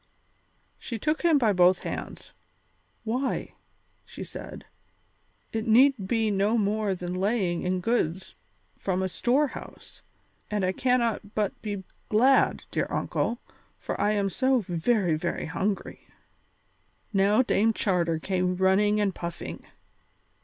She took him by both hands. "Why," she said, "it need be no more than laying in goods from a store house; and I cannot but be glad, dear uncle, for I am so very, very hungry." Now Dame Charter came running and puffing.